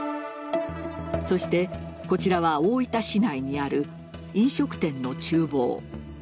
そして、こちらは大分市内にある飲食店の厨房。